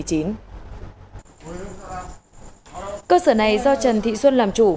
cơ sở này do trần thị xuân làm chủ